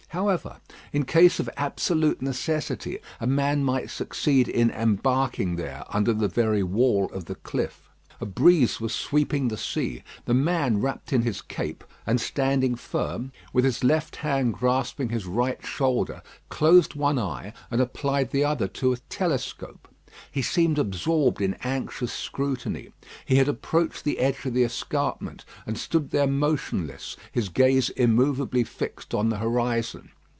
However, in case of absolute necessity, a man might succeed in embarking there, under the very wall of the cliff. A breeze was sweeping the sea. The man wrapped in his cape and standing firm, with his left hand grasping his right shoulder, closed one eye, and applied the other to a telescope. He seemed absorbed in anxious scrutiny. He had approached the edge of the escarpment, and stood there motionless, his gaze immovably fixed on the horizon.